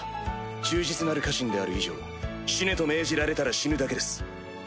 忠実なる家臣である以上死ねと命じられたら死ぬだけです。